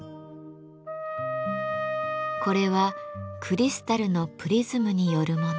これはクリスタルのプリズムによるもの。